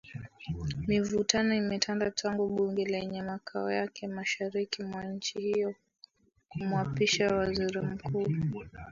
Mivutano imetanda tangu bunge lenye makao yake mashariki mwa nchi hiyo kumwapisha Waziri Mkuu